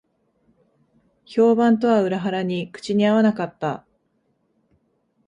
評判とは裏腹に口に合わなかった